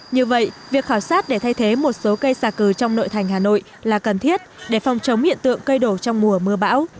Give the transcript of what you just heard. như vậy việc khảo sát để thay thế một số cây xà cừ trong nội thành hà nội là cần thiết để phòng chống hiện tượng cây đổ trong mùa mưa bão